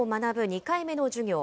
２回目の授業。